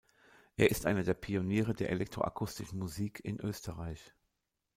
Er ist einer der Pioniere der Elektroakustischen Musik in Österreich.